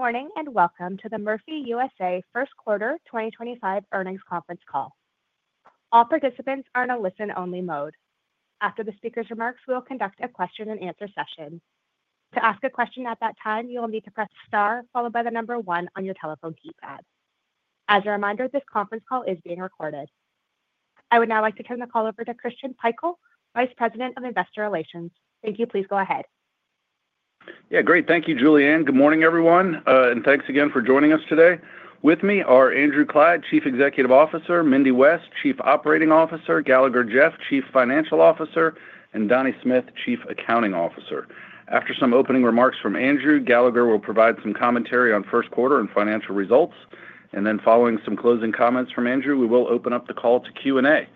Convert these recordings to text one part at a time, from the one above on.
Good morning and welcome to the Murphy USA First Quarter 2025 Earnings Conference Call. All participants are in a listen-only mode. After the speaker's remarks, we will conduct a question-and-answer session. To ask a question at that time, you will need to press star followed by the number one on your telephone keypad. As a reminder, this conference call is being recorded. I would now like to turn the call over to Christian Pikul, Vice President of Investor Relations. Thank you. Please go ahead. Yeah, great. Thank you, Julie Ann. Good morning, everyone. Thank you again for joining us today. With me are Andrew Clyde, Chief Executive Officer; Mindy West, Chief Operating Officer; Galagher Jeff, Chief Financial Officer; and Donnie Smith, Chief Accounting Officer. After some opening remarks from Andrew, Galagher will provide some commentary on first quarter and financial results. Following some closing comments from Andrew, we will open up the call to Q&A.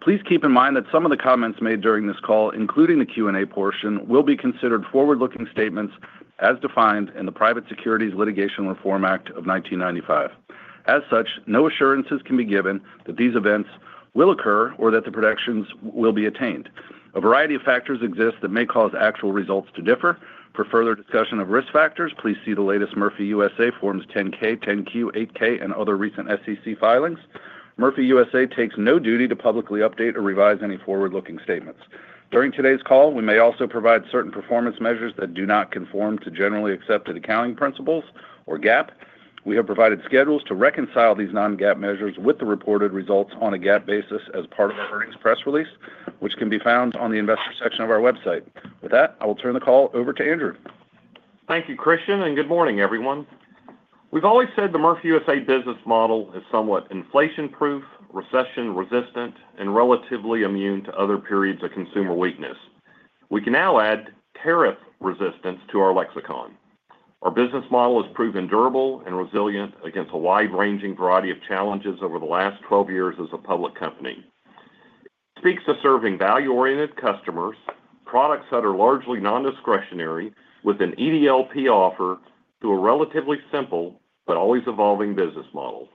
Please keep in mind that some of the comments made during this call, including the Q&A portion, will be considered forward-looking statements as defined in the Private Securities Litigation Reform Act of 1995. As such, no assurances can be given that these events will occur or that the predictions will be attained. A variety of factors exist that may cause actual results to differ. For further discussion of risk factors, please see the latest Murphy USA Forms 10-K, 10-Q, 8-K, and other recent SEC filings. Murphy USA takes no duty to publicly update or revise any forward-looking statements. During today's call, we may also provide certain performance measures that do not conform to generally accepted accounting principles or GAAP. We have provided schedules to reconcile these non-GAAP measures with the reported results on a GAAP basis as part of our earnings press release, which can be found on the Investor section of our website. With that, I will turn the call over to Andrew. Thank you, Christian, and good morning, everyone. We've always said the Murphy USA business model is somewhat inflation-proof, recession-resistant, and relatively immune to other periods of consumer weakness. We can now add tariff resistance to our lexicon. Our business model has proven durable and resilient against a wide-ranging variety of challenges over the last 12 years as a public company. It speaks to serving value-oriented customers, products that are largely nondiscretionary, with an EDLP offer to a relatively simple but always evolving business model.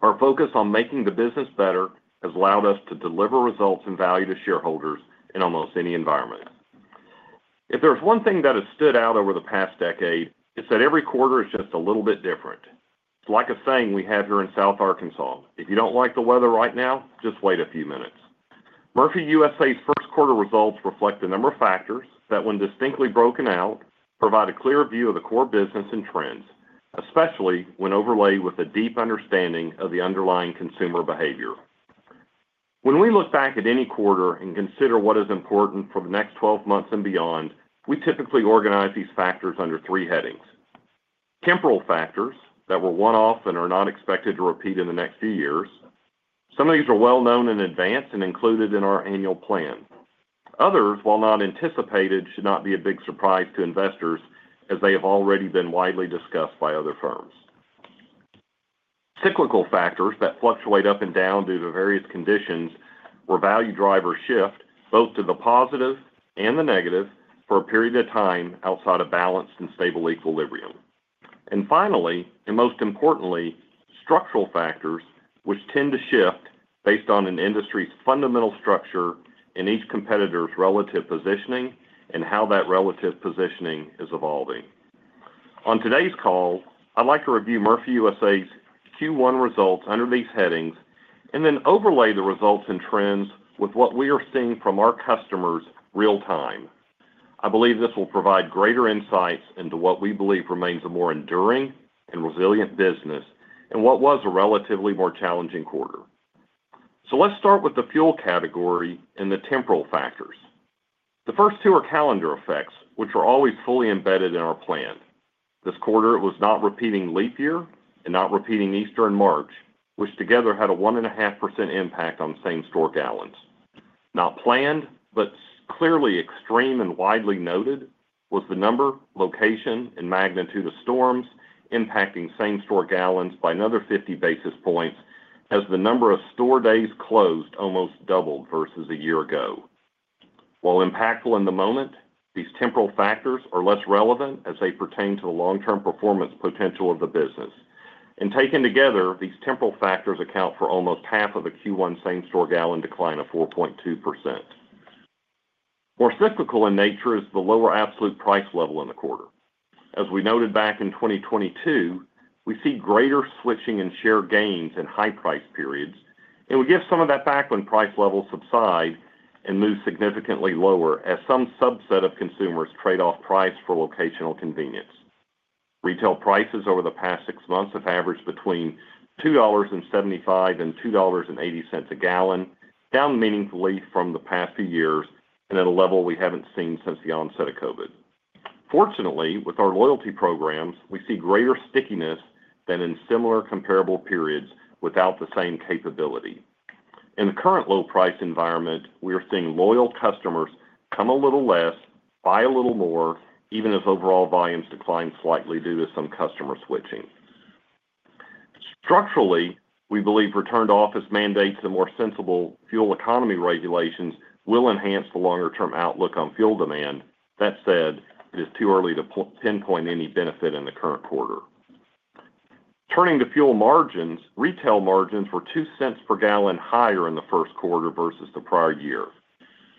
Our focus on making the business better has allowed us to deliver results and value to shareholders in almost any environment. If there's one thing that has stood out over the past decade, it's that every quarter is just a little bit different. It's like a saying we have here in South Arkansas: if you don't like the weather right now, just wait a few minutes. Murphy USA's first quarter results reflect a number of factors that, when distinctly broken out, provide a clear view of the core business and trends, especially when overlaid with a deep understanding of the underlying consumer behavior. When we look back at any quarter and consider what is important for the next 12 months and beyond, we typically organize these factors under three headings: temporal factors that were one-off and are not expected to repeat in the next few years. Some of these are well-known in advance and included in our annual plan. Others, while not anticipated, should not be a big surprise to investors as they have already been widely discussed by other firms. Cyclical factors that fluctuate up and down due to various conditions where value drivers shift both to the positive and the negative for a period of time outside of balanced and stable equilibrium. Finally, and most importantly, structural factors which tend to shift based on an industry's fundamental structure and each competitor's relative positioning and how that relative positioning is evolving. On today's call, I'd like to review Murphy USA's Q1 results under these headings and then overlay the results and trends with what we are seeing from our customers real-time. I believe this will provide greater insights into what we believe remains a more enduring and resilient business in what was a relatively more challenging quarter. Let's start with the fuel category and the temporal factors. The first two are calendar effects, which are always fully embedded in our plan. This quarter, it was not repeating leap year and not repeating Easter in March, which together had a 1.5% impact on same-store gallons. Not planned, but clearly extreme and widely noted was the number, location, and magnitude of storms impacting same-store gallons by another 50 basis points as the number of store days closed almost doubled versus a year ago. While impactful in the moment, these temporal factors are less relevant as they pertain to the long-term performance potential of the business. These temporal factors account for almost half of a Q1 same-store gallon decline of 4.2%. More cyclical in nature is the lower absolute price level in the quarter. As we noted back in 2022, we see greater switching in share gains in high-price periods. We give some of that back when price levels subside and move significantly lower as some subset of consumers trade off price for locational convenience. Retail prices over the past six months have averaged between $2.75 and $2.80 a gallon, down meaningfully from the past few years and at a level we have not seen since the onset of COVID. Fortunately, with our loyalty programs, we see greater stickiness than in similar comparable periods without the same capability. In the current low-price environment, we are seeing loyal customers come a little less, buy a little more, even as overall volumes decline slightly due to some customer switching. Structurally, we believe return-to-office mandates and more sensible fuel economy regulations will enhance the longer-term outlook on fuel demand. That said, it is too early to pinpoint any benefit in the current quarter. Turning to fuel margins, retail margins were $0.02 per gallon higher in the first quarter versus the prior year.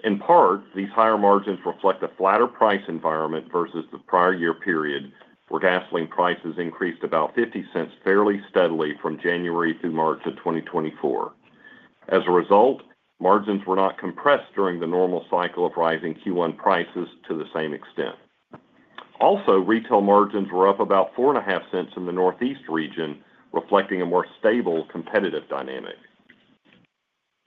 In part, these higher margins reflect a flatter price environment versus the prior year period where gasoline prices increased about $0.50 fairly steadily from January through March of 2024. As a result, margins were not compressed during the normal cycle of rising Q1 prices to the same extent. Also, retail margins were up about $0.45 in the Northeast region, reflecting a more stable competitive dynamic.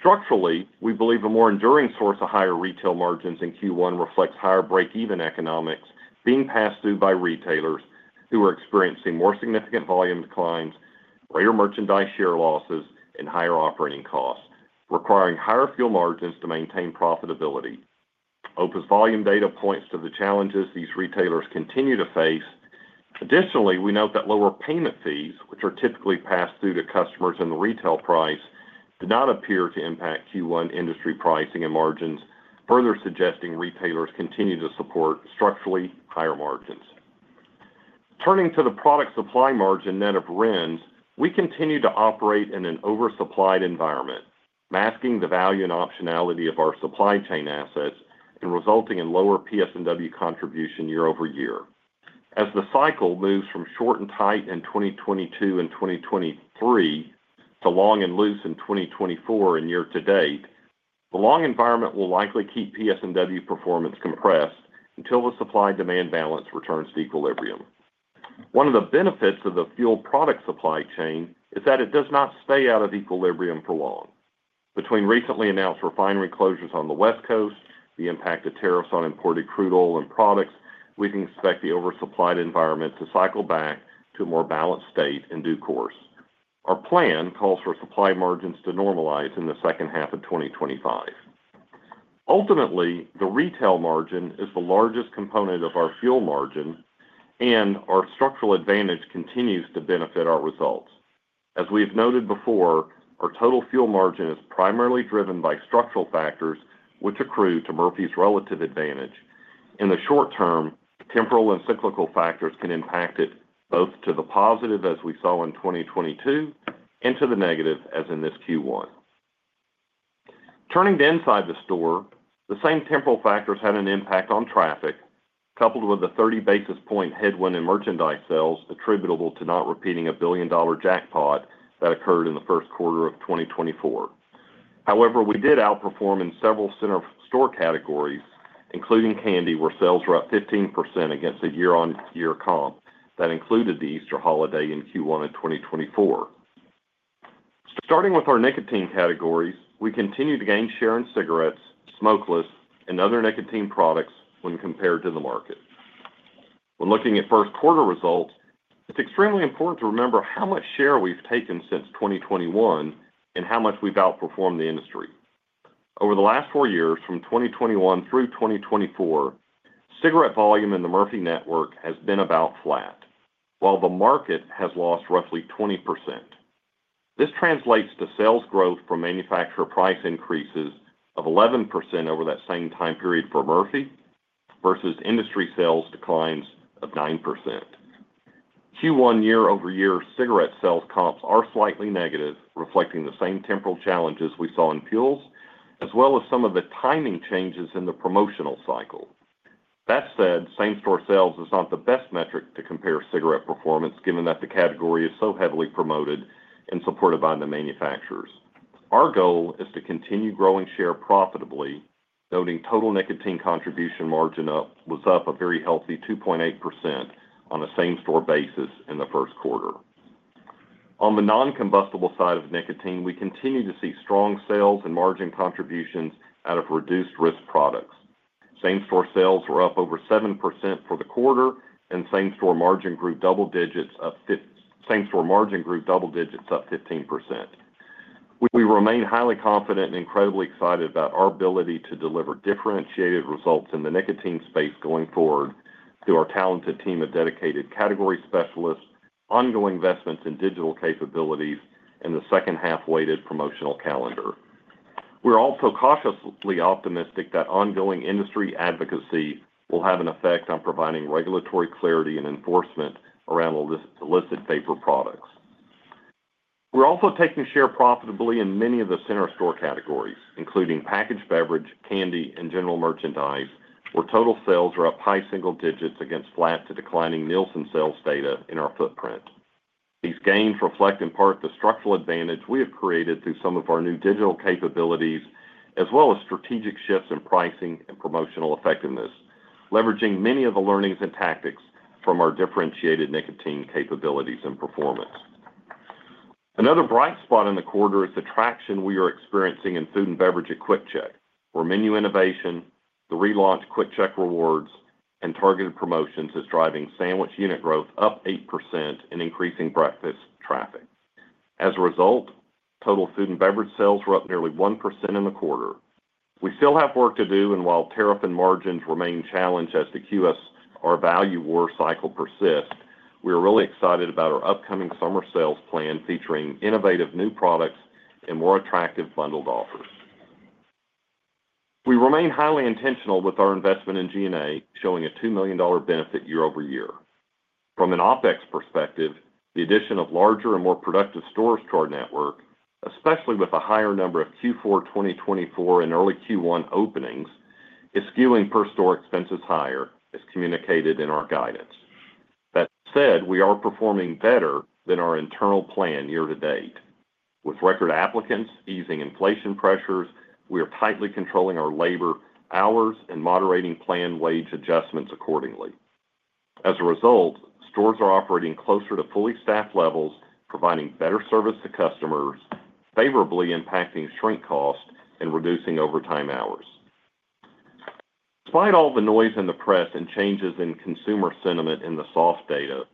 Structurally, we believe a more enduring source of higher retail margins in Q1 reflects higher break-even economics being passed through by retailers who are experiencing more significant volume declines, greater merchandise share losses, and higher operating costs, requiring higher fuel margins to maintain profitability. OPUS volume data points to the challenges these retailers continue to face. Additionally, we note that lower payment fees, which are typically passed through to customers in the retail price, do not appear to impact Q1 industry pricing and margins, further suggesting retailers continue to support structurally higher margins. Turning to the product supply margin net of RINs, we continue to operate in an oversupplied environment, masking the value and optionality of our supply chain assets and resulting in lower PS&W contribution year-over-year. As the cycle moves from short and tight in 2022 and 2023 to long and loose in 2024 and year to date, the long environment will likely keep PS&W performance compressed until the supply-demand balance returns to equilibrium. One of the benefits of the fuel product supply chain is that it does not stay out of equilibrium for long. Between recently announced refinery closures on the West Coast, the impact of tariffs on imported crude oil and products, we can expect the oversupplied environment to cycle back to a more balanced state in due course. Our plan calls for supply margins to normalize in the second half of 2025. Ultimately, the retail margin is the largest component of our fuel margin, and our structural advantage continues to benefit our results. As we have noted before, our total fuel margin is primarily driven by structural factors, which accrue to Murphy's relative advantage. In the short term, temporal and cyclical factors can impact it both to the positive, as we saw in 2022, and to the negative, as in this Q1. Turning to inside the store, the same temporal factors had an impact on traffic, coupled with the 30 basis point headwind in merchandise sales attributable to not repeating a billion-dollar jackpot that occurred in the first quarter of 2024. However, we did outperform in several store categories, including candy, where sales were up 15% against a year-on-year comp that included the Easter holiday in Q1 of 2024. Starting with our nicotine categories, we continue to gain share in cigarettes, smokeless, and other nicotine products when compared to the market. When looking at first-quarter results, it is extremely important to remember how much share we have taken since 2021 and how much we have outperformed the industry. Over the last four years, from 2021 through 2024, cigarette volume in the Murphy network has been about flat, while the market has lost roughly 20%. This translates to sales growth from manufacturer price increases of 11% over that same time period for Murphy versus industry sales declines of 9%. Q1 year-over-year cigarette sales comps are slightly negative, reflecting the same temporal challenges we saw in fuels, as well as some of the timing changes in the promotional cycle. That said, same-store sales is not the best metric to compare cigarette performance, given that the category is so heavily promoted and supported by the manufacturers. Our goal is to continue growing share profitably, noting total nicotine contribution margin was up a very healthy 2.8% on a same-store basis in the first quarter. On the non-combustible side of nicotine, we continue to see strong sales and margin contributions out of reduced-risk products. Same-store sales were up over 7% for the quarter, and same-store margin grew double digits up 15%. We remain highly confident and incredibly excited about our ability to deliver differentiated results in the nicotine space going forward through our talented team of dedicated category specialists, ongoing investments in digital capabilities, and the second-half-weighted promotional calendar. We are also cautiously optimistic that ongoing industry advocacy will have an effect on providing regulatory clarity and enforcement around the listed paper products. We are also taking share profitably in many of the center-store categories, including packaged beverage, candy, and general merchandise, where total sales are up high single digits against flat to declining Nielsen sales data in our footprint. These gains reflect in part the structural advantage we have created through some of our new digital capabilities, as well as strategic shifts in pricing and promotional effectiveness, leveraging many of the learnings and tactics from our differentiated nicotine capabilities and performance. Another bright spot in the quarter is the traction we are experiencing in food and beverage at QuickChek, where menu innovation, the relaunched QuickChek rewards, and targeted promotions is driving sandwich unit growth up 8% and increasing breakfast traffic. As a result, total food and beverage sales were up nearly 1% in the quarter. We still have work to do, and while tariff and margins remain challenged as the QSR value war cycle persists, we are really excited about our upcoming summer sales plan featuring innovative new products and more attractive bundled offers. We remain highly intentional with our investment in G&A, showing a $2 million benefit year-over-year. From an OPEX perspective, the addition of larger and more productive stores to our network, especially with a higher number of Q4 2024 and early Q1 openings, is skewing per-store expenses higher, as communicated in our guidance. That said, we are performing better than our internal plan year to date. With record applicants easing inflation pressures, we are tightly controlling our labor hours and moderating planned wage adjustments accordingly. As a result, stores are operating closer to fully staffed levels, providing better service to customers, favorably impacting shrink costs and reducing overtime hours. Despite all the noise in the press and changes in consumer sentiment in the soft data,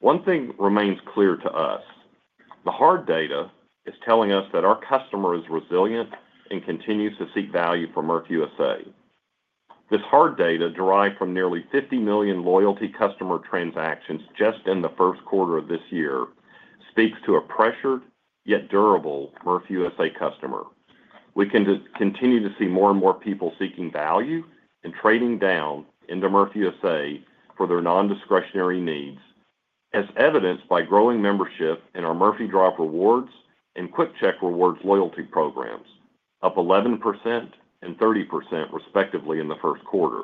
one thing remains clear to us. The hard data is telling us that our customer is resilient and continues to seek value for Murphy USA. This hard data, derived from nearly 50 million loyalty customer transactions just in the first quarter of this year, speaks to a pressured yet durable Murphy USA customer. We can continue to see more and more people seeking value and trading down into Murphy USA for their non-discretionary needs, as evidenced by growing membership in our Murphy Drive Rewards and QuickChek Rewards loyalty programs, up 11% and 30% respectively in the first quarter.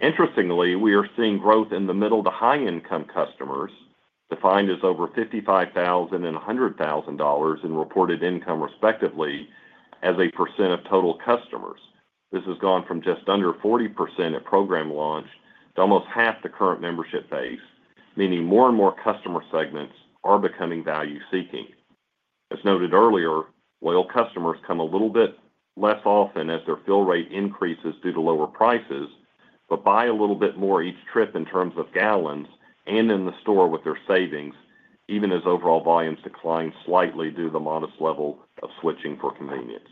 Interestingly, we are seeing growth in the middle to high-income customers, defined as over $55,000 and $100,000 in reported income respectively as a percent of total customers. This has gone from just under 40% at program launch to almost half the current membership base, meaning more and more customer segments are becoming value-seeking. As noted earlier, loyal customers come a little bit less often as their fill rate increases due to lower prices, but buy a little bit more each trip in terms of gallons and in the store with their savings, even as overall volumes decline slightly due to the modest level of switching for convenience.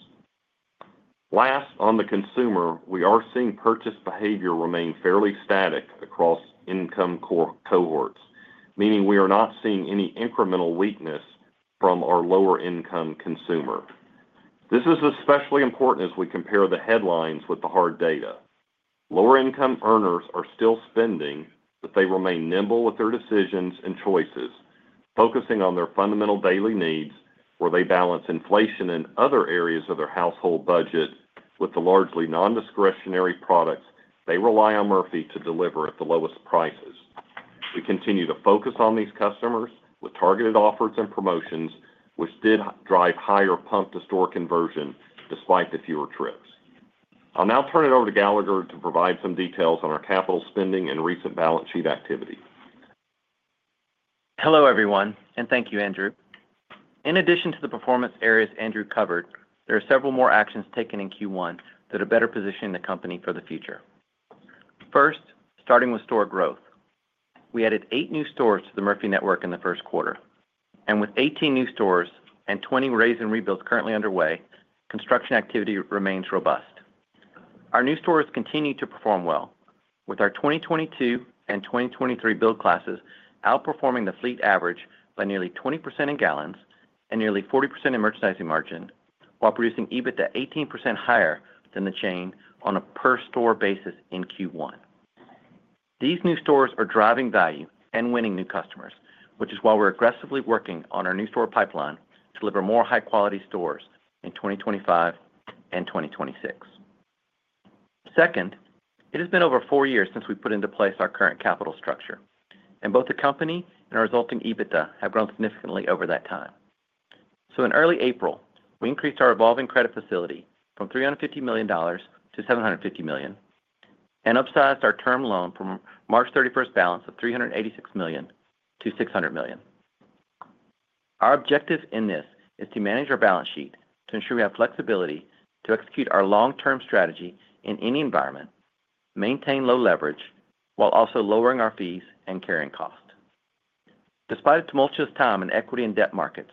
Last, on the consumer, we are seeing purchase behavior remain fairly static across income cohorts, meaning we are not seeing any incremental weakness from our lower-income consumer. This is especially important as we compare the headlines with the hard data. Lower-income earners are still spending, but they remain nimble with their decisions and choices, focusing on their fundamental daily needs, where they balance inflation and other areas of their household budget with the largely non-discretionary products they rely on Murphy to deliver at the lowest prices. We continue to focus on these customers with targeted offers and promotions, which did drive higher pump-to-store conversion despite the fewer trips. I'll now turn it over to Galagher to provide some details on our capital spending and recent balance sheet activity. Hello, everyone, and thank you, Andrew. In addition to the performance areas Andrew covered, there are several more actions taken in Q1 that are better positioning the company for the future. First, starting with store growth. We added eight new stores to the Murphy network in the first quarter. With 18 new stores and 20 raze and rebuilds currently underway, construction activity remains robust. Our new stores continue to perform well, with our 2022 and 2023 build classes outperforming the fleet average by nearly 20% in gallons and nearly 40% in merchandising margin, while producing EBITDA 18% higher than the chain on a per-store basis in Q1. These new stores are driving value and winning new customers, which is why we're aggressively working on our new store pipeline to deliver more high-quality stores in 2025 and 2026. Second, it has been over four years since we put into place our current capital structure, and both the company and our resulting EBITDA have grown significantly over that time. In early April, we increased our revolving credit facility from $350 million to $750 million and upsized our term loan from March 31st balance of $386 million to $600 million. Our objective in this is to manage our balance sheet to ensure we have flexibility to execute our long-term strategy in any environment, maintain low leverage, while also lowering our fees and carrying costs. Despite a tumultuous time in equity and debt markets,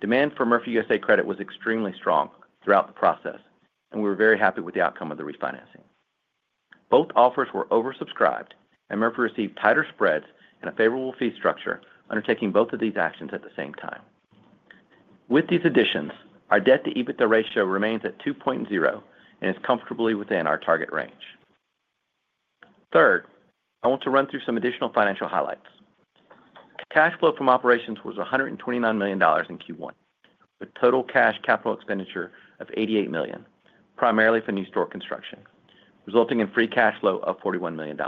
demand for Murphy USA credit was extremely strong throughout the process, and we were very happy with the outcome of the refinancing. Both offers were oversubscribed, and Murphy received tighter spreads and a favorable fee structure undertaking both of these actions at the same time. With these additions, our debt-to-EBITDA ratio remains at 2.0 and is comfortably within our target range. Third, I want to run through some additional financial highlights. Cash flow from operations was $129 million in Q1, with total cash capital expenditure of $88 million, primarily for new store construction, resulting in free cash flow of $41 million.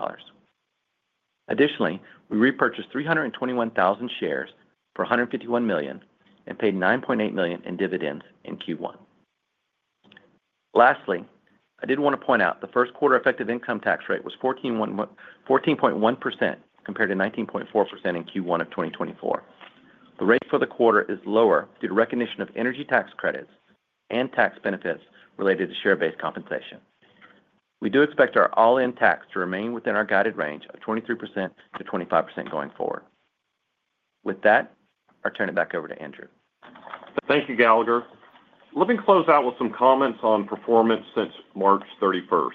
Additionally, we repurchased 321,000 shares for $151 million and paid $9.8 million in dividends in Q1. Lastly, I did want to point out the first quarter effective income tax rate was 14.1% compared to 19.4% in Q1 of 2024. The rate for the quarter is lower due to recognition of energy tax credits and tax benefits related to share-based compensation. We do expect our all-in tax to remain within our guided range of 23%-25% going forward. With that, I'll turn it back over to Andrew. Thank you, Galagher. Let me close out with some comments on performance since March 31st.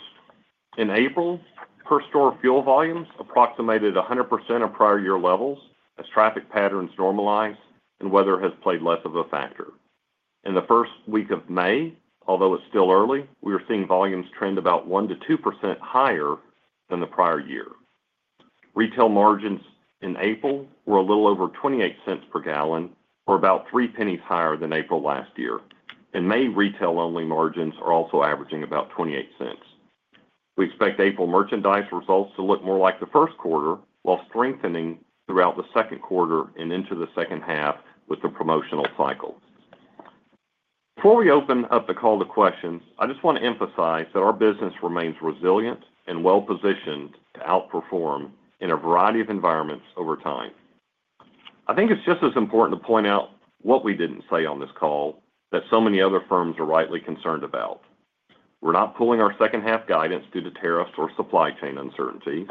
In April, per-store fuel volumes approximated 100% of prior-year levels as traffic patterns normalized and weather has played less of a factor. In the first week of May, although it's still early, we were seeing volumes trend about 1%-2% higher than the prior year. Retail margins in April were a little over $0.28 per gallon, or about three pennies higher than April last year. In May, retail-only margins are also averaging about $0.28. We expect April merchandise results to look more like the first quarter, while strengthening throughout the second quarter and into the second half with the promotional cycle. Before we open up the call to questions, I just want to emphasize that our business remains resilient and well-positioned to outperform in a variety of environments over time. I think it's just as important to point out what we didn't say on this call that so many other firms are rightly concerned about. We're not pulling our second-half guidance due to tariffs or supply chain uncertainty.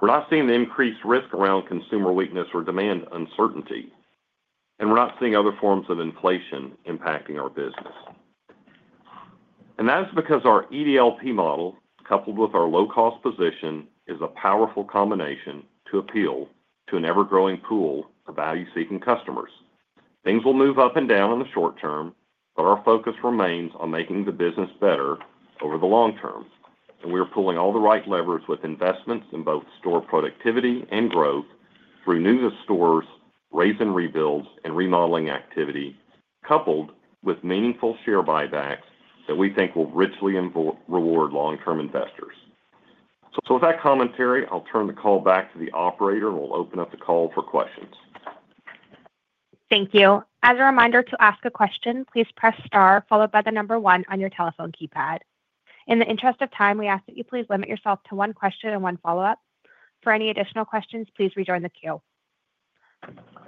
We're not seeing the increased risk around consumer weakness or demand uncertainty, and we're not seeing other forms of inflation impacting our business. That is because our EDLP model, coupled with our low-cost position, is a powerful combination to appeal to an ever-growing pool of value-seeking customers. Things will move up and down in the short term, but our focus remains on making the business better over the long term. We are pulling all the right levers with investments in both store productivity and growth through new stores, raise and rebuilds, and remodeling activity, coupled with meaningful share buybacks that we think will richly reward long-term investors. With that commentary, I'll turn the call back to the operator, and we'll open up the call for questions. Thank you. As a reminder, to ask a question, please press star, followed by the number one on your telephone keypad. In the interest of time, we ask that you please limit yourself to one question and one follow-up. For any additional questions, please rejoin the queue.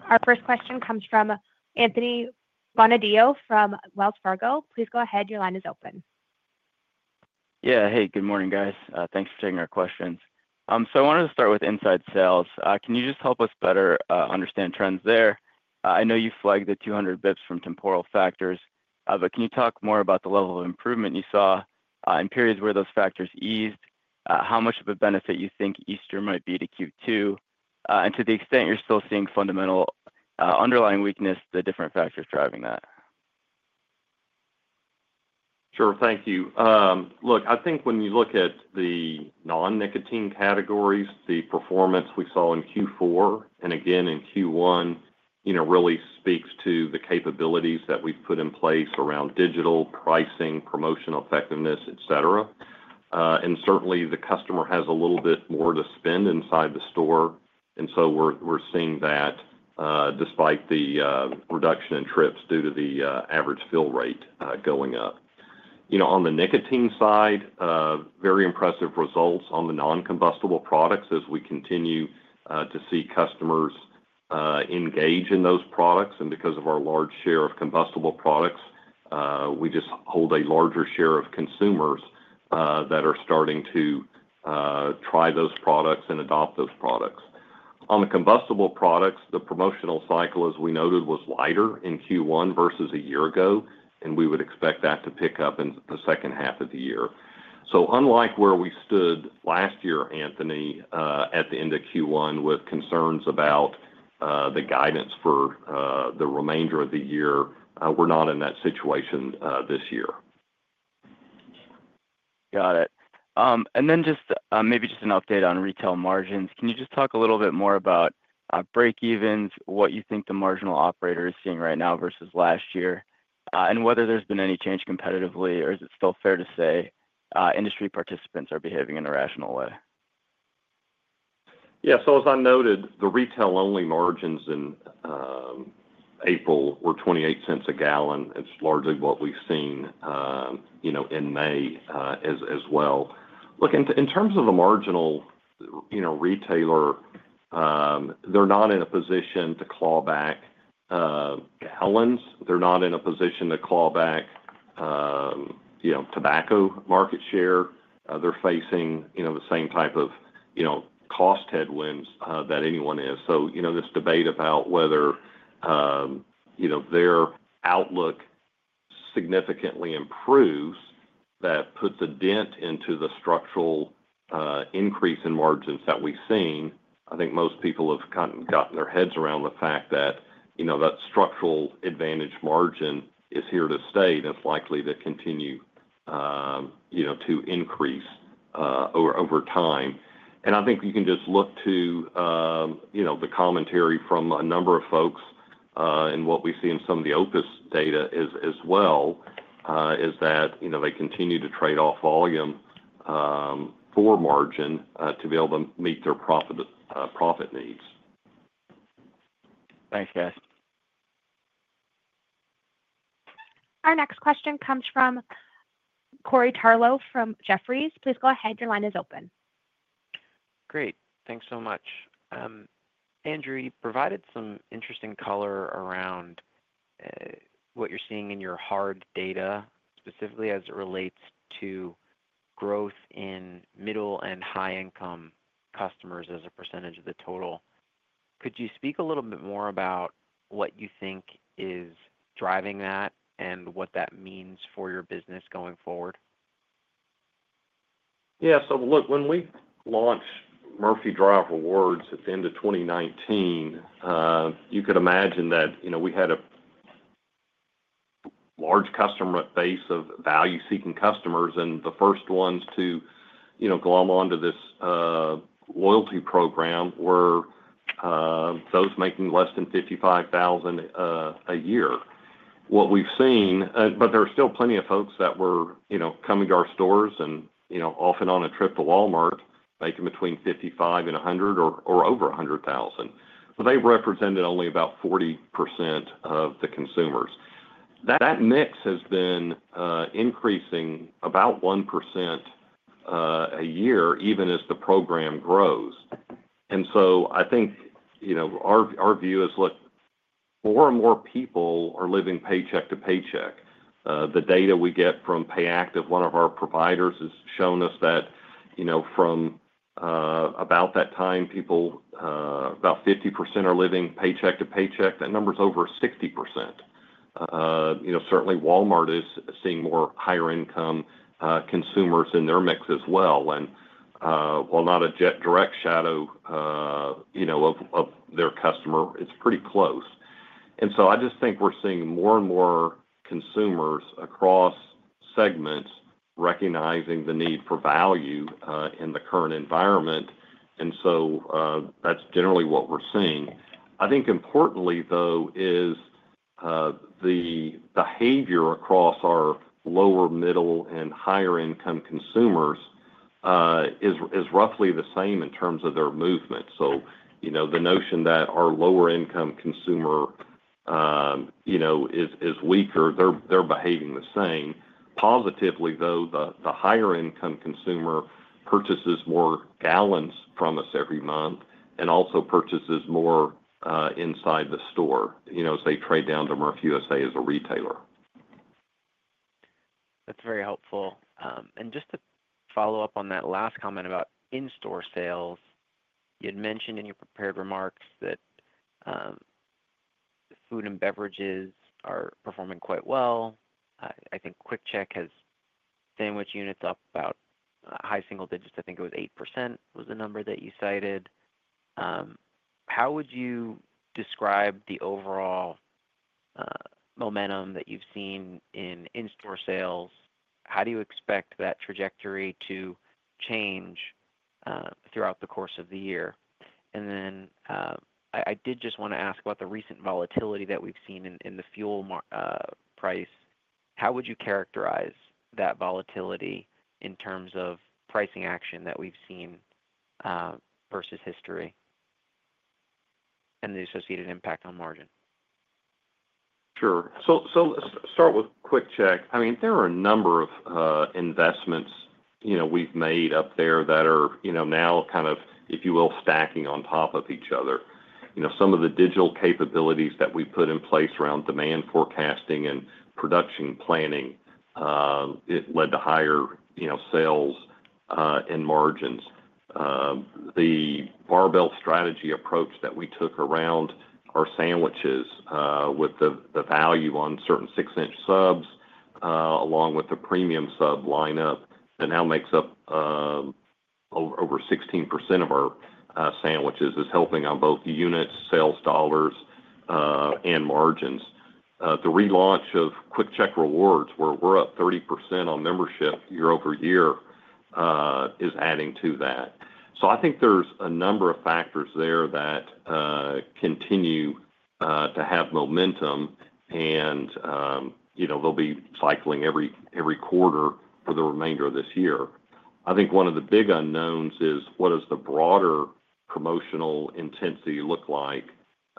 Our first question comes from Anthony Bonadio from Wells Fargo. Please go ahead. Your line is open. Yeah. Hey, good morning, guys. Thanks for taking our questions. I wanted to start with inside sales. Can you just help us better understand trends there? I know you flagged the 200 basis points from temporal factors, but can you talk more about the level of improvement you saw in periods where those factors eased? How much of a benefit you think Easter might be to Q2? To the extent you're still seeing fundamental underlying weakness, the different factors driving that? Sure. Thank you. Look, I think when you look at the non-nicotine categories, the performance we saw in Q4 and again in Q1 really speaks to the capabilities that we've put in place around digital pricing, promotional effectiveness, etc. Certainly, the customer has a little bit more to spend inside the store. We are seeing that despite the reduction in trips due to the average fill rate going up. On the nicotine side, very impressive results on the non-combustible products as we continue to see customers engage in those products. Because of our large share of combustible products, we just hold a larger share of consumers that are starting to try those products and adopt those products. On the combustible products, the promotional cycle, as we noted, was lighter in Q1 versus a year ago, and we would expect that to pick up in the second half of the year. Unlike where we stood last year, Anthony, at the end of Q1 with concerns about the guidance for the remainder of the year, we're not in that situation this year. Got it. Maybe just an update on retail margins. Can you just talk a little bit more about breakevens, what you think the marginal operator is seeing right now versus last year, and whether there's been any change competitively, or is it still fair to say industry participants are behaving in a rational way? Yeah. As I noted, the retail-only margins in April were $0.28 a gallon. It's largely what we've seen in May as well. Look, in terms of the marginal retailer, they're not in a position to claw back gallons. They're not in a position to claw back tobacco market share. They're facing the same type of cost headwinds that anyone is. This debate about whether their outlook significantly improves, that puts a dent into the structural increase in margins that we've seen, I think most people have gotten their heads around the fact that that structural advantage margin is here to stay and is likely to continue to increase over time. I think you can just look to the commentary from a number of folks and what we see in some of the OPUS data as well, is that they continue to trade off volume for margin to be able to meet their profit needs. Thanks, guys. Our next question comes from Corey Tarlowe from Jefferies. Please go ahead. Your line is open. Great. Thanks so much. Andrew, you provided some interesting color around what you're seeing in your hard data, specifically as it relates to growth in middle and high-income customers as a percentage of the total. Could you speak a little bit more about what you think is driving that and what that means for your business going forward? Yeah. Look, when we launched Murphy Drive Rewards at the end of 2019, you could imagine that we had a large customer base of value-seeking customers. The first ones to glom onto this loyalty program were those making less than $55,000 a year. What we've seen, there were still plenty of folks that were coming to our stores and often on a trip to Walmart making between $55,000 and $100,000 or over $100,000. They represented only about 40% of the consumers. That mix has been increasing about 1% a year, even as the program grows. I think our view is, look, more and more people are living paycheck to paycheck. The data we get from PayAct, one of our providers, has shown us that from about that time, about 50% are living paycheck to paycheck. That number's over 60%. Certainly, Walmart is seeing more higher-income consumers in their mix as well. While not a direct shadow of their customer, it's pretty close. I just think we're seeing more and more consumers across segments recognizing the need for value in the current environment. That's generally what we're seeing. I think importantly, though, the behavior across our lower, middle, and higher-income consumers is roughly the same in terms of their movement. The notion that our lower-income consumer is weaker, they're behaving the same. Positively, though, the higher-income consumer purchases more gallons from us every month and also purchases more inside the store, say, trade down to Murphy USA as a retailer. That's very helpful. Just to follow up on that last comment about in-store sales, you had mentioned in your prepared remarks that food and beverages are performing quite well. I think QuickChek has sandwich units up about high single digits. I think it was 8% was the number that you cited. How would you describe the overall momentum that you've seen in in-store sales? How do you expect that trajectory to change throughout the course of the year? I did just want to ask about the recent volatility that we've seen in the fuel price. How would you characterize that volatility in terms of pricing action that we've seen versus history and the associated impact on margin? Sure. Let's start with QuickChek. I mean, there are a number of investments we've made up there that are now kind of, if you will, stacking on top of each other. Some of the digital capabilities that we put in place around demand forecasting and production planning, it led to higher sales and margins. The barbell strategy approach that we took around our sandwiches with the value on certain 6-inch subs, along with the premium sub lineup that now makes up over 16% of our sandwiches, is helping on both units, sales dollars, and margins. The relaunch of QuickChek Rewards, where we're up 30% on membership year over year, is adding to that. I think there's a number of factors there that continue to have momentum, and they'll be cycling every quarter for the remainder of this year. I think one of the big unknowns is what does the broader promotional intensity look like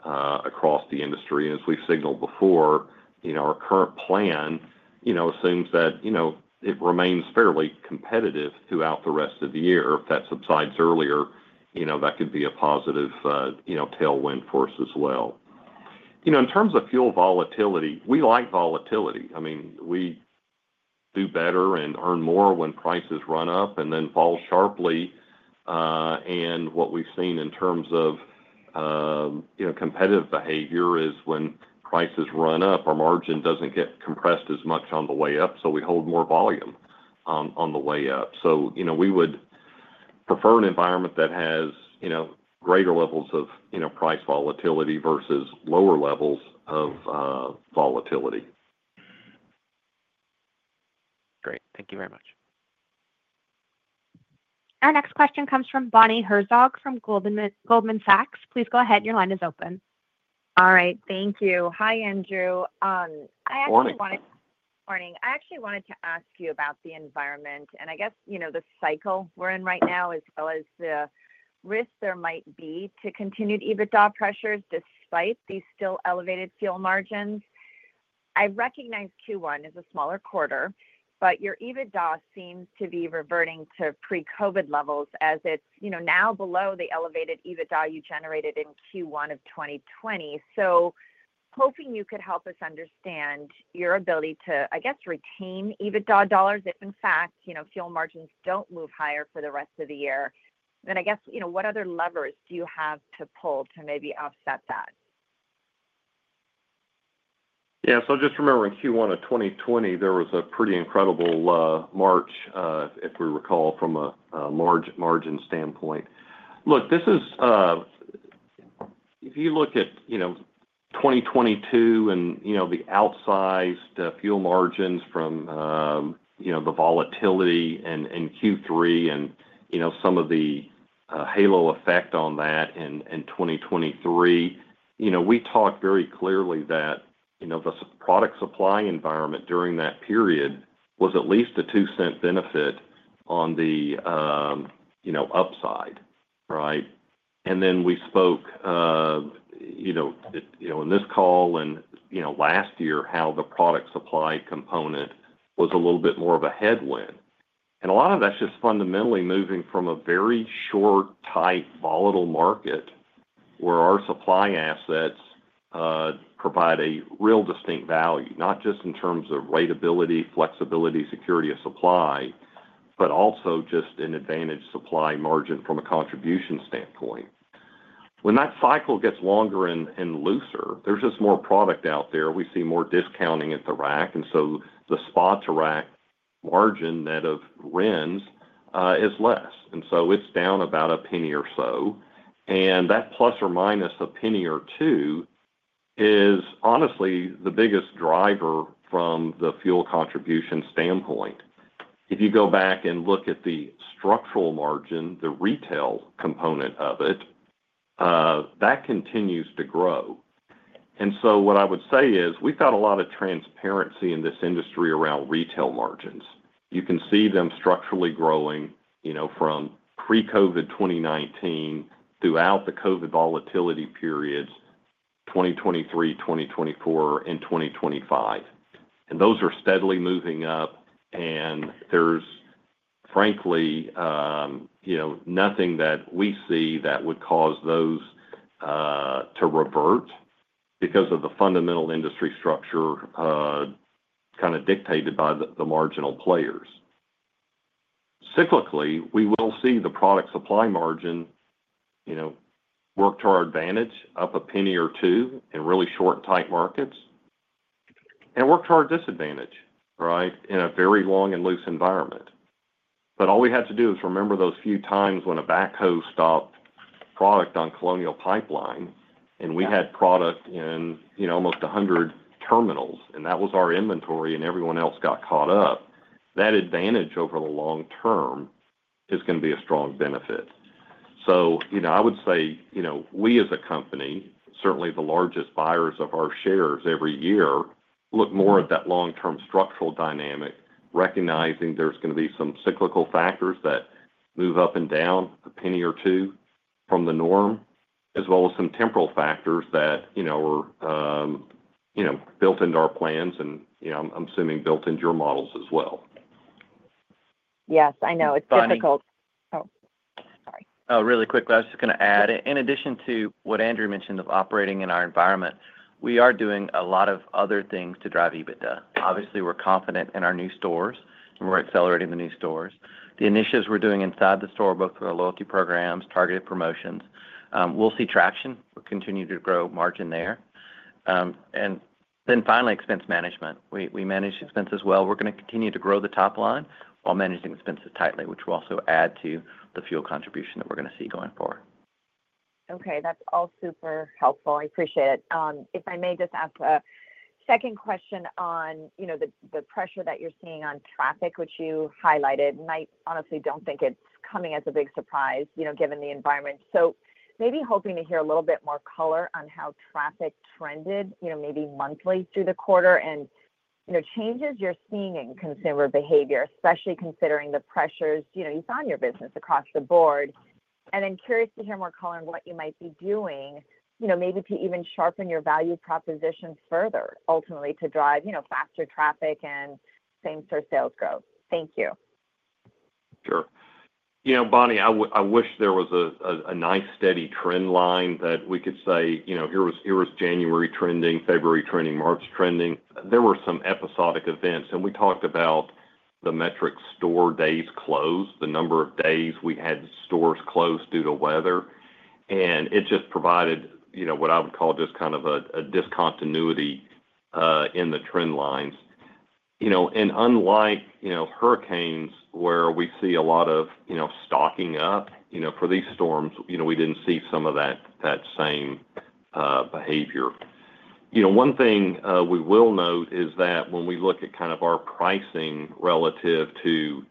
across the industry? As we've signaled before, our current plan assumes that it remains fairly competitive throughout the rest of the year. If that subsides earlier, that could be a positive tailwind for us as well. In terms of fuel volatility, we like volatility. I mean, we do better and earn more when prices run up and then fall sharply. What we've seen in terms of competitive behavior is when prices run up, our margin does not get compressed as much on the way up. We hold more volume on the way up. We would prefer an environment that has greater levels of price volatility versus lower levels of volatility. Great. Thank you very much. Our next question comes from Bonnie Herzog from Goldman Sachs. Please go ahead. Your line is open. All right. Thank you. Hi, Andrew. I actually wanted to. Good morning. Morning. I actually wanted to ask you about the environment and I guess the cycle we're in right now, as well as the risk there might be to continued EBITDA pressures despite these still elevated fuel margins. I recognize Q1 is a smaller quarter, but your EBITDA seems to be reverting to pre-COVID levels as it's now below the elevated EBITDA you generated in Q1 of 2020. Hoping you could help us understand your ability to, I guess, retain EBITDA dollars if, in fact, fuel margins don't move higher for the rest of the year. I guess what other levers do you have to pull to maybe offset that? Yeah. Just remember, in Q1 of 2020, there was a pretty incredible March, if we recall, from a margin standpoint. Look, if you look at 2022 and the outsized fuel margins from the volatility in Q3 and some of the halo effect on that in 2023, we talked very clearly that the product supply environment during that period was at least a $0.02 benefit on the upside, right? We spoke in this call and last year how the product supply component was a little bit more of a headwind. A lot of that is just fundamentally moving from a very short, tight, volatile market where our supply assets provide a real distinct value, not just in terms of rateability, flexibility, security of supply, but also just an advantage supply margin from a contribution standpoint. When that cycle gets longer and looser, there is just more product out there. We see more discounting at the rack. The spot-to-rack margin net of RINs is less. It is down about a penny or so. That plus or minus a penny or two is honestly the biggest driver from the fuel contribution standpoint. If you go back and look at the structural margin, the retail component of it, that continues to grow. What I would say is we have a lot of transparency in this industry around retail margins. You can see them structurally growing from pre-COVID 2019 throughout the COVID volatility periods, 2023, 2024, and 2025. Those are steadily moving up. There is, frankly, nothing that we see that would cause those to revert because of the fundamental industry structure kind of dictated by the marginal players. Cyclically, we will see the product supply margin work to our advantage up a penny or two in really short, tight markets and work to our disadvantage, right, in a very long and loose environment. All we had to do is remember those few times when a backhoe stopped product on Colonial Pipeline and we had product in almost 100 terminals and that was our inventory and everyone else got caught up. That advantage over the long term is going to be a strong benefit. I would say we, as a company, certainly the largest buyers of our shares every year, look more at that long-term structural dynamic, recognizing there's going to be some cyclical factors that move up and down a penny or two from the norm, as well as some temporal factors that were built into our plans and I'm assuming built into your models as well. Yes, I know. It's difficult. Sorry. Oh, really quickly, I was just going to add, in addition to what Andrew mentioned of operating in our environment, we are doing a lot of other things to drive EBITDA. Obviously, we're confident in our new stores and we're accelerating the new stores. The initiatives we're doing inside the store, both of our loyalty programs, targeted promotions, we'll see traction. We'll continue to grow margin there. Finally, expense management. We manage expenses well. We're going to continue to grow the top line while managing expenses tightly, which will also add to the fuel contribution that we're going to see going forward. Okay. That's all super helpful. I appreciate it. If I may just ask a second question on the pressure that you're seeing on traffic, which you highlighted, and I honestly don't think it's coming as a big surprise given the environment. Maybe hoping to hear a little bit more color on how traffic trended maybe monthly through the quarter and changes you're seeing in consumer behavior, especially considering the pressures you found in your business across the board. I'm curious to hear more color on what you might be doing, maybe to even sharpen your value proposition further, ultimately to drive faster traffic and same-store sales growth. Thank you. Sure. Bonnie, I wish there was a nice steady trend line that we could say, "Here was January trending, February trending, March trending." There were some episodic events. We talked about the metric store days closed, the number of days we had stores closed due to weather. It just provided what I would call just kind of a discontinuity in the trend lines. Unlike hurricanes, where we see a lot of stocking up for these storms, we did not see some of that same behavior. One thing we will note is that when we look at kind of our pricing relative to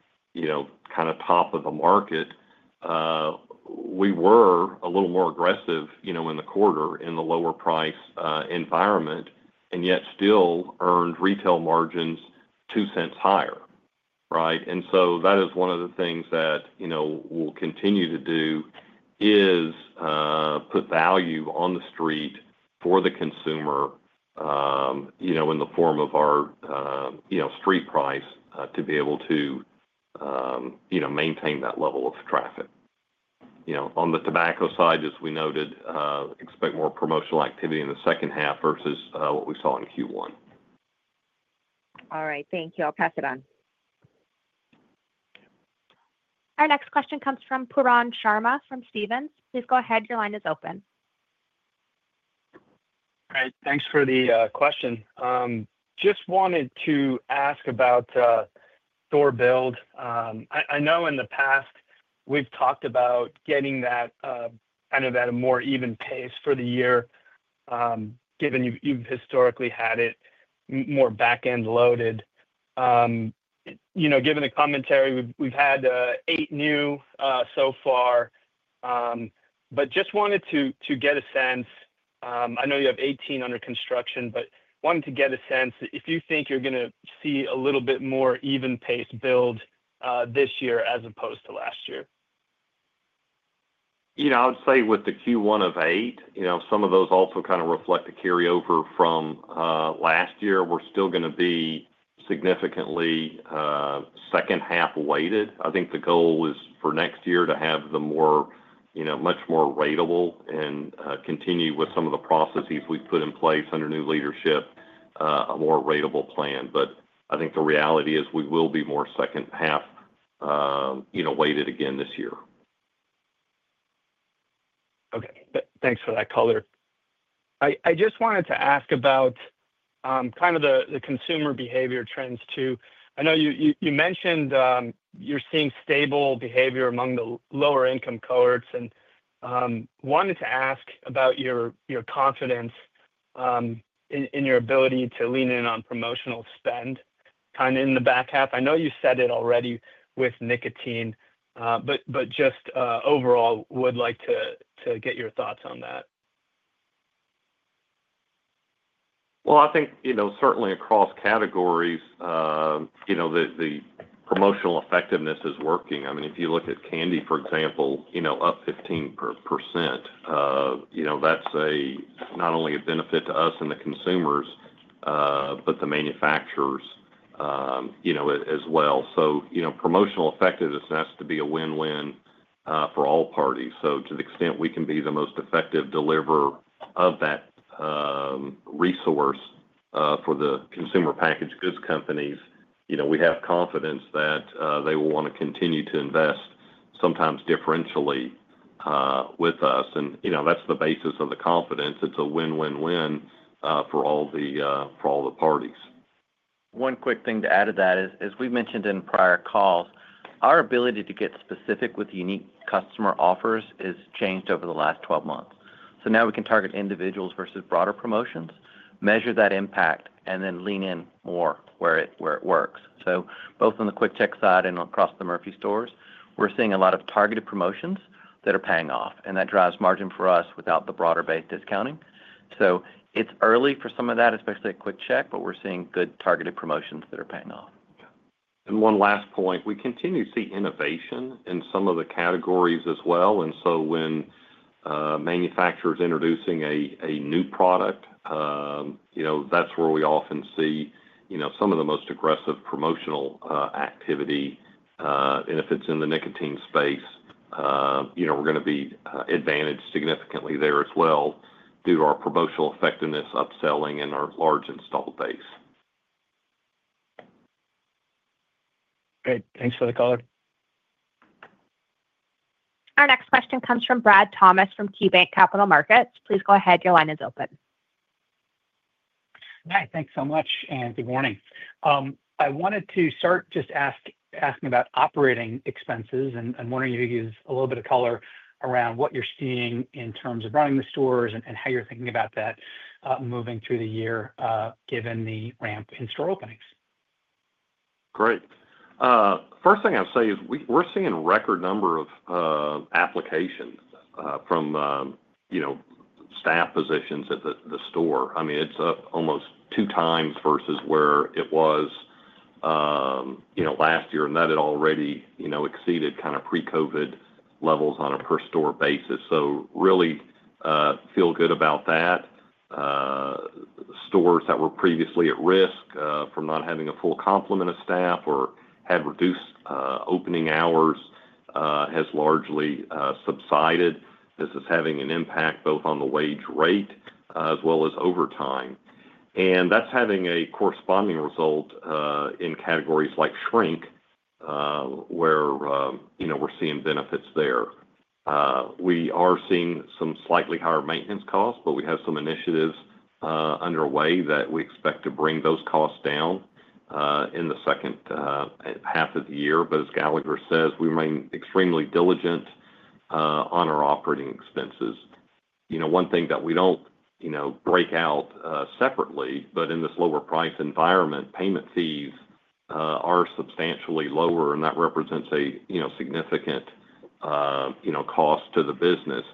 kind of top of the market, we were a little more aggressive in the quarter in the lower-price environment and yet still earned retail margins $0.02 cents higher, right? That is one of the things that we'll continue to do, put value on the street for the consumer in the form of our street price to be able to maintain that level of traffic. On the tobacco side, as we noted, expect more promotional activity in the second half versus what we saw in Q1. All right. Thank you. I'll pass it on. Our next question comes from Pooran Sharma from Stephens. Please go ahead. Your line is open. All right. Thanks for the question. Just wanted to ask about store build. I know in the past we've talked about getting that kind of at a more even pace for the year, given you've historically had it more back-end loaded. Given the commentary, we've had eight new so far, but just wanted to get a sense. I know you have 18 under construction, but wanted to get a sense if you think you're going to see a little bit more even-paced build this year as opposed to last year. I would say with the Q1 of eight, some of those also kind of reflect the carryover from last year. We're still going to be significantly second-half weighted. I think the goal is for next year to have the much more ratable and continue with some of the processes we've put in place under new leadership, a more ratable plan. I think the reality is we will be more second-half weighted again this year. Okay. Thanks for that color. I just wanted to ask about kind of the consumer behavior trends too. I know you mentioned you're seeing stable behavior among the lower-income cohorts. I wanted to ask about your confidence in your ability to lean in on promotional spend kind of in the back half. I know you said it already with nicotine, but just overall, would like to get your thoughts on that. I think certainly across categories, the promotional effectiveness is working. I mean, if you look at candy, for example, up 15%, that's not only a benefit to us and the consumers, but the manufacturers as well. Promotional effectiveness has to be a win-win for all parties. To the extent we can be the most effective deliverer of that resource for the consumer packaged goods companies, we have confidence that they will want to continue to invest, sometimes differentially, with us. That's the basis of the confidence. It's a win-win-win for all the parties. One quick thing to add to that is, as we've mentioned in prior calls, our ability to get specific with unique customer offers has changed over the last 12 months. Now we can target individuals versus broader promotions, measure that impact, and then lean in more where it works. Both on the QuickChek side and across the Murphy stores, we're seeing a lot of targeted promotions that are paying off. That drives margin for us without the broader-based discounting. It's early for some of that, especially at QuickChek, but we're seeing good targeted promotions that are paying off. One last point. We continue to see innovation in some of the categories as well. When manufacturers are introducing a new product, that's where we often see some of the most aggressive promotional activity. If it's in the nicotine space, we're going to be advantaged significantly there as well due to our promotional effectiveness, upselling, and our large installed base. Great. Thanks for the call. Our next question comes from Brad Thomas from KeyBanc Capital Markets. Please go ahead. Your line is open. Hi. Thanks so much. Good morning. I wanted to start just asking about operating expenses and wondering if you could use a little bit of color around what you're seeing in terms of running the stores and how you're thinking about that moving through the year given the ramp in store openings. Great. First thing I'd say is we're seeing a record number of applications for staff positions at the store. I mean, it's almost two times versus where it was last year, and that had already exceeded kind of pre-COVID levels on a per-store basis. So, really feel good about that. Stores that were previously at risk from not having a full complement of staff or had reduced opening hours has largely subsided. This is having an impact both on the wage rate as well as overtime. That's having a corresponding result in categories like shrink, where we're seeing benefits there. We are seeing some slightly higher maintenance costs, but we have some initiatives underway that we expect to bring those costs down in the second half of the year. As Galagher says, we remain extremely diligent on our operating expenses. One thing that we do not break out separately, but in this lower-priced environment, payment fees are substantially lower, and that represents a significant cost to the business.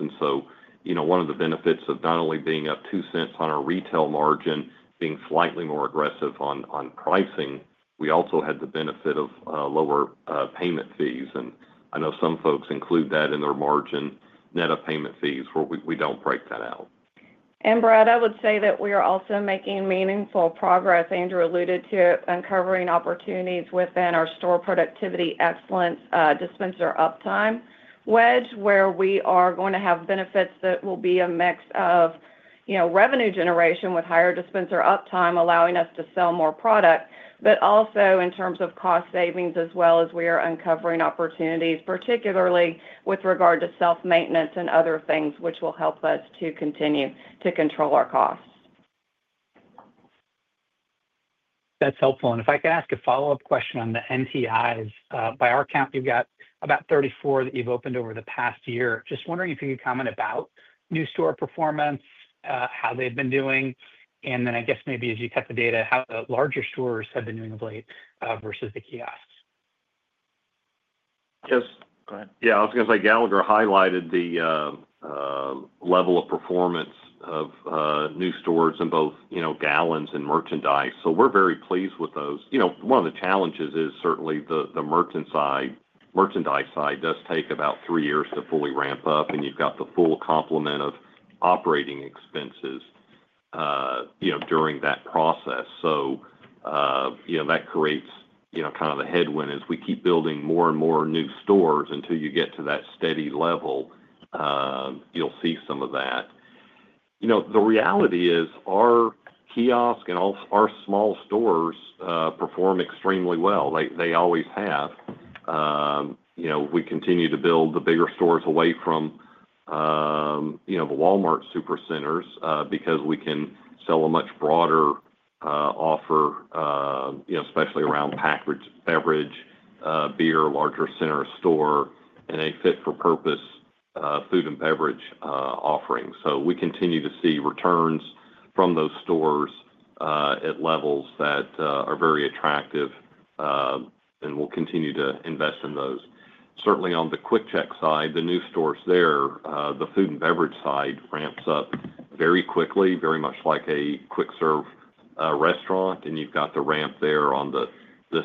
One of the benefits of not only being up $0.02 cents on our retail margin, being slightly more aggressive on pricing, we also had the benefit of lower payment fees. I know some folks include that in their margin net of payment fees, where we do not break that out. Brad, I would say that we are also making meaningful progress. Andrew alluded to it, uncovering opportunities within our store productivity excellence dispenser uptime wedge, where we are going to have benefits that will be a mix of revenue generation with higher dispenser uptime, allowing us to sell more product, but also in terms of cost savings as well as we are uncovering opportunities, particularly with regard to self-maintenance and other things, which will help us to continue to control our costs. That's helpful. If I could ask a follow-up question on the NTIs, by our count, you've got about 34 that you've opened over the past year. Just wondering if you could comment about new store performance, how they've been doing, and then I guess maybe as you cut the data, how the larger stores have been doing of late versus the kiosks. Yes. Go ahead. Yeah. I was going to say Galagher highlighted the level of performance of new stores in both gallons and merchandise. So, we're very pleased with those. One of the challenges is certainly the merchandise side does take about three years to fully ramp up, and you've got the full complement of operating expenses during that process. That creates kind of a headwind as we keep building more and more new stores until you get to that steady level. You'll see some of that. The reality is our kiosk and our small stores perform extremely well. They always have. We continue to build the bigger stores away from the Walmart supercenters because we can sell a much broader offer, especially around packaged beverage, beer, larger center store, and a fit-for-purpose food and beverage offering. We continue to see returns from those stores at levels that are very attractive, and we'll continue to invest in those. Certainly, on the QuickChek side, the new stores there, the food and beverage side ramps up very quickly, very much like a quick-serve restaurant, and you've got the ramp there on the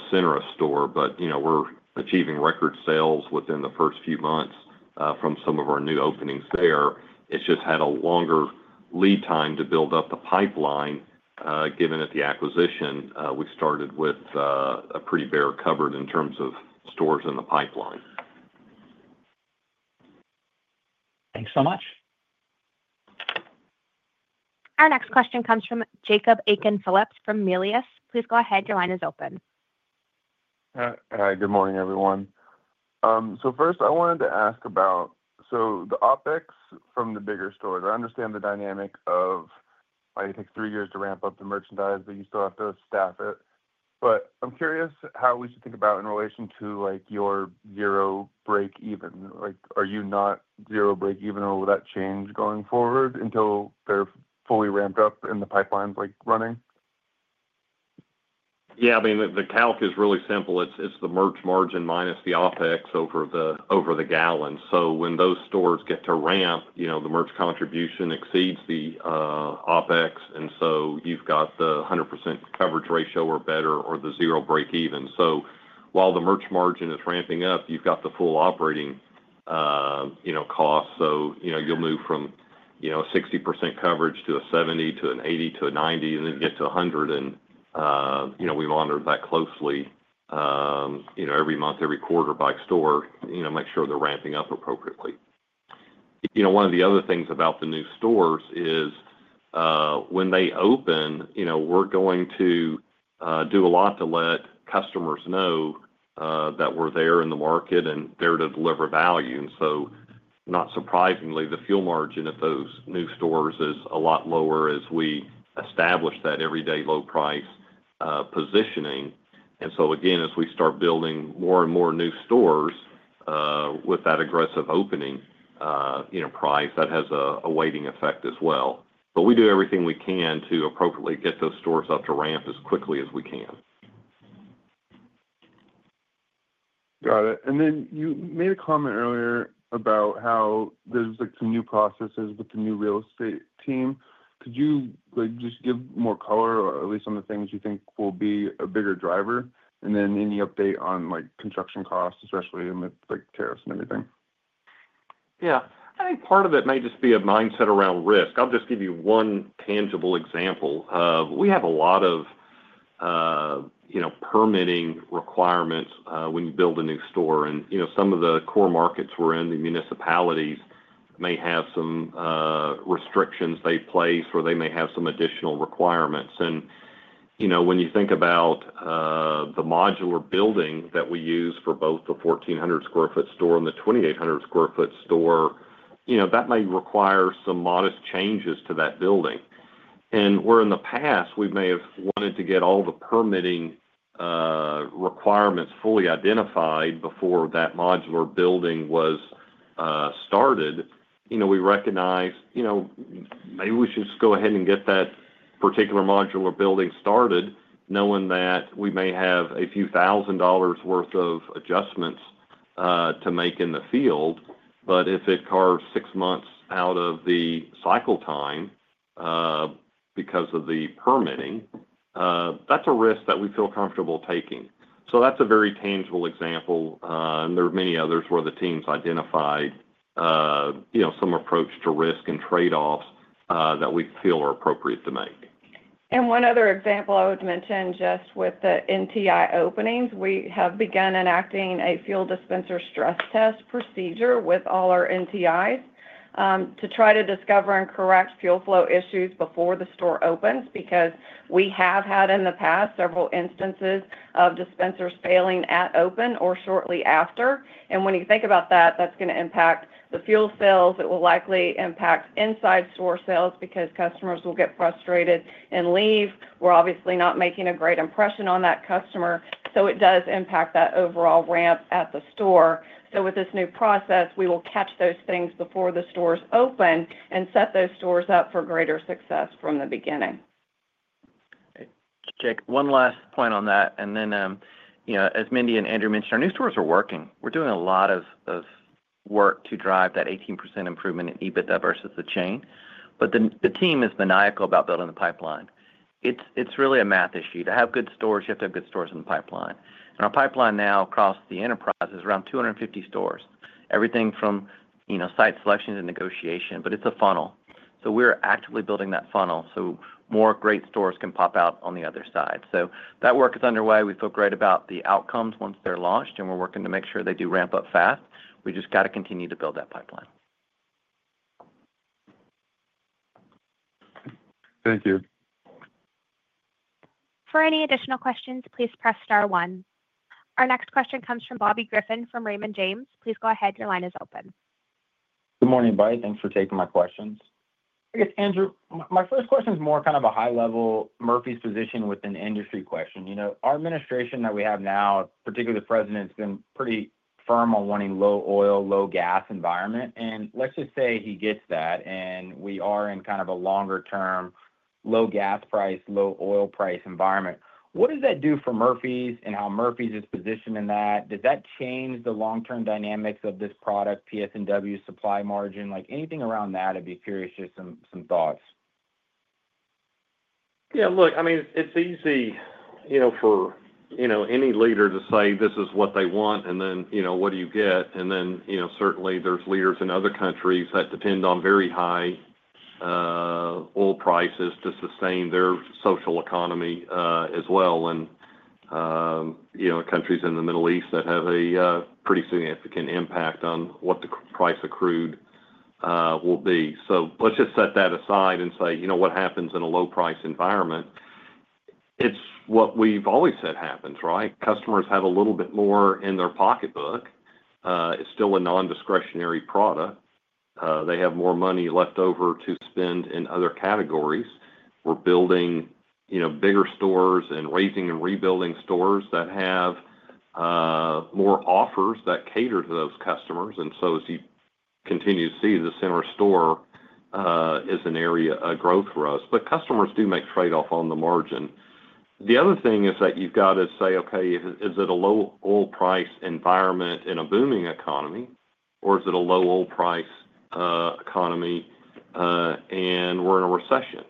center of store. We're achieving record sales within the first few months from some of our new openings there. It has just had a longer lead time to build up the pipeline, given that with the acquisition we started with a pretty bare cupboard in terms of stores in the pipeline. Thanks so much. Our next question comes from Jacob Aiken-Phillips from Melius. Please go ahead. Your line is open. Hi. Good morning, everyone. First, I wanted to ask about the OPEX from the bigger stores. I understand the dynamic of, well, you take three years to ramp up the merchandise, but you still have to staff it. I'm curious how we should think about it in relation to your zero break-even. Are you not zero break-even, or will that change going forward until they're fully ramped up and the pipeline's running? Yeah. I mean, the calc is really simple. It's the merch margin minus the OPEX over the gallons. When those stores get to ramp, the merch contribution exceeds the OPEX. You have the 100% coverage ratio or better or the zero break-even. While the merch margin is ramping up, you have the full operating costs. You will move from a 60% coverage to a 70 to an 80 to a 90, and then you get to 100. We monitor that closely every month, every quarter by store, make sure they are ramping up appropriately. One of the other things about the new stores is when they open, we are going to do a lot to let customers know that we are there in the market and there to deliver value. Not surprisingly, the fuel margin at those new stores is a lot lower as we establish that everyday low-price positioning. Again, as we start building more and more new stores with that aggressive opening price, that has a weighting effect as well. We do everything we can to appropriately get those stores up to ramp as quickly as we can. Got it. You made a comment earlier about how there are some new processes with the new real estate team. Could you just give more color, or at least on the things you think will be a bigger driver? Any update on construction costs, especially in the tariffs and everything? Yeah. I think part of it might just be a mindset around risk. I'll just give you one tangible example. We have a lot of permitting requirements when you build a new store. In some of the core markets we're in, the municipalities may have some restrictions they place or they may have some additional requirements. When you think about the modular building that we use for both the 1,400 sq ft store and the 2,800 sq ft store, that may require some modest changes to that building. Where in the past, we may have wanted to get all the permitting requirements fully identified before that modular building was started, we recognize maybe we should just go ahead and get that particular modular building started, knowing that we may have a few thousand dollars' worth of adjustments to make in the field. If it carves six months out of the cycle time because of the permitting, that's a risk that we feel comfortable taking. That is a very tangible example. There are many others where the teams identified some approach to risk and trade-offs that we feel are appropriate to make. One other example I would mention just with the NTI openings, we have begun enacting a fuel dispenser stress test procedure with all our NTIs to try to discover and correct fuel flow issues before the store opens because we have had in the past several instances of dispensers failing at open or shortly after. When you think about that, that's going to impact the fuel sales. It will likely impact inside store sales because customers will get frustrated and leave. We're obviously not making a great impression on that customer. It does impact that overall ramp at the store. With this new process, we will catch those things before the stores open and set those stores up for greater success from the beginning. Just one last point on that. As Mindy and Andrew mentioned, our new stores are working. We're doing a lot of work to drive that 18% improvement in EBITDA versus the chain. The team is maniacal about building the pipeline. It's really a math issue. To have good stores, you have to have good stores in the pipeline. Our pipeline now across the enterprise is around 250 stores, everything from site selection to negotiation. It's a funnel. We're actively building that funnel so more great stores can pop out on the other side. That work is underway. We feel great about the outcomes once they're launched, and we're working to make sure they do ramp up fast. We just got to continue to build that pipeline. Thank you. For any additional questions, please press star one. Our next question comes from Bobby Griffin from Raymond James. Please go ahead. Your line is open. Good morning, [Bai]. Thanks for taking my questions. Hey, it's Andrew. My first question is more kind of a high-level Murphy position with an industry question. Our administration that we have now, particularly the president, has been pretty firm on wanting a low-oil, low-gas environment. Let's just say he gets that, and we are in kind of a longer-term low-gas price, low-oil price environment. What does that do for Murphy's and how Murphy's is positioned in that? Does that change the long-term dynamics of this product, PS&W supply margin? Anything around that, I'd be curious, just some thoughts. Yeah. Look, I mean, it's easy for any leader to say, "This is what they want," and then, "What do you get?" Certainly, there are leaders in other countries that depend on very high oil prices to sustain their social economy as well. Countries in the Middle East have a pretty significant impact on what the price of crude will be. Let's just set that aside and say, "What happens in a low-price environment?" It's what we've always said happens, right? Customers have a little bit more in their pocketbook. It's still a non-discretionary product. They have more money left over to spend in other categories. We're building bigger stores and raising and rebuilding stores that have more offers that cater to those customers. As you continue to see, the center store is an area of growth for us. Customers do make trade-offs on the margin. The other thing is that you've got to say, "Okay, is it a low-oil price environment in a booming economy, or is it a low-oil price economy and we're in a recession,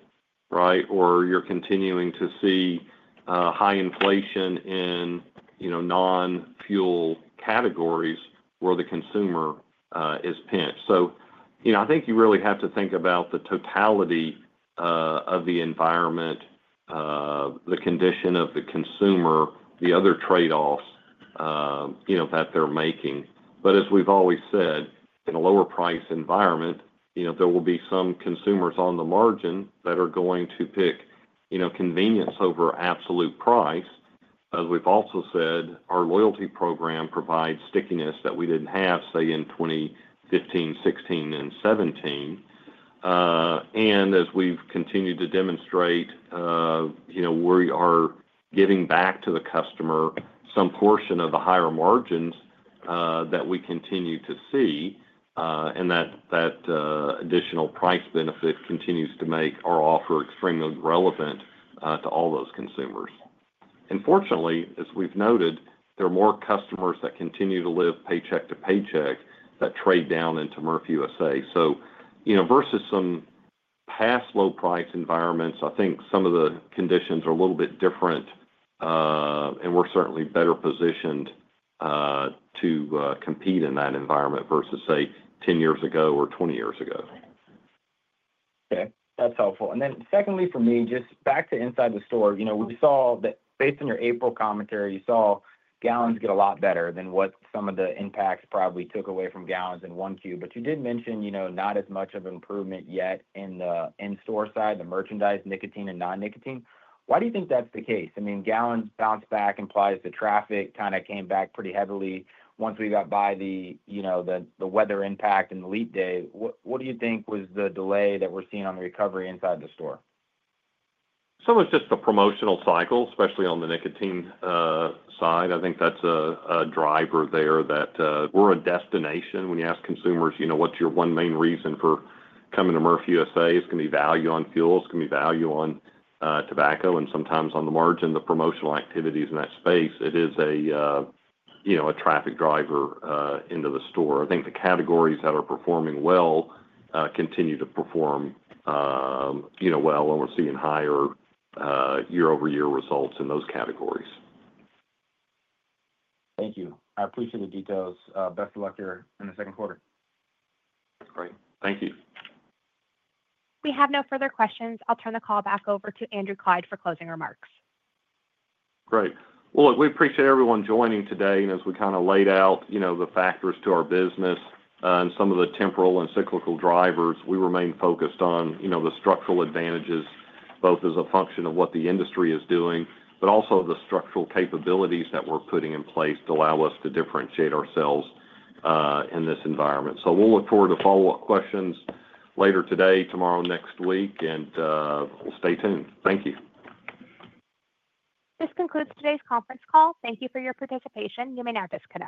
right? Or you're continuing to see high inflation in non-fuel categories where the consumer is pinched?" I think you really have to think about the totality of the environment, the condition of the consumer, the other trade-offs that they're making. As we've always said, in a lower-priced environment, there will be some consumers on the margin that are going to pick convenience over absolute price. As we've also said, our loyalty program provides stickiness that we didn't have, say, in 2015, 2016, and 2017. As we have continued to demonstrate, we are giving back to the customer some portion of the higher margins that we continue to see, and that additional price benefit continues to make our offer extremely relevant to all those consumers. Fortunately, as we have noted, there are more customers that continue to live paycheck to paycheck that trade down into Murphy USA. Versus some past low-priced environments, I think some of the conditions are a little bit different, and we are certainly better positioned to compete in that environment versus, say, 10 years ago or 20 years ago. Okay. That's helpful. Secondly, for me, just back to inside the store, we saw that based on your April commentary, you saw gallons get a lot better than what some of the impacts probably took away from gallons in Q1. You did mention not as much of an improvement yet in the in-store side, the merchandise, nicotine, and non-nicotine. Why do you think that's the case? I mean, gallons bounced back, implies the traffic kind of came back pretty heavily once we got by the weather impact and the leap day. What do you think was the delay that we're seeing on the recovery inside the store? Some of it is just the promotional cycle, especially on the nicotine side. I think that is a driver there that we are a destination. When you ask consumers, "What is your one main reason for coming to Murphy USA?" it is going to be value on fuel. It is going to be value on tobacco. Sometimes on the margin, the promotional activities in that space, it is a traffic driver into the store. I think the categories that are performing well continue to perform well, and we are seeing higher year-over-year results in those categories. Thank you. I appreciate the details. Best of luck here in the second quarter. That's great. Thank you. We have no further questions. I'll turn the call back over to Andrew Clyde for closing remarks. Great. Look, we appreciate everyone joining today. As we kind of laid out the factors to our business and some of the temporal and cyclical drivers, we remain focused on the structural advantages, both as a function of what the industry is doing, but also the structural capabilities that we are putting in place to allow us to differentiate ourselves in this environment. We will look forward to follow-up questions later today, tomorrow, next week. Stay tuned. Thank you. This concludes today's conference call. Thank you for your participation. You may now disconnect.